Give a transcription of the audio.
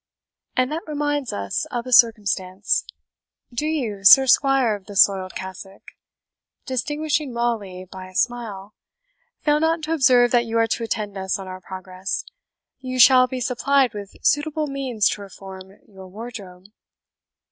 And that reminds us of a circumstance. Do you, Sir Squire of the Soiled Cassock" (distinguishing Raleigh by a smile), "fail not to observe that you are to attend us on our progress. You shall be supplied with suitable means to reform your wardrobe."